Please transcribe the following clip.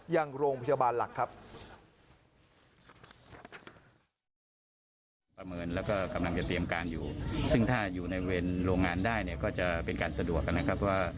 ยังโรงพยาบาลหลักครับ